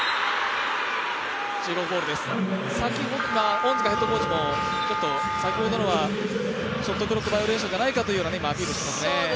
恩塚ヘッドコーチも、先ほどのはショットクロックバイオレーションではないかというアピールをしていますね。